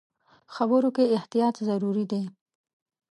خبرو کې احتیاط ضروري دی.